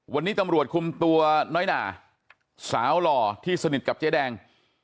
วันนี้ตำรวจคุมตัวน้อยหนาสาวหล่อที่สนิทกับเจ๊แดง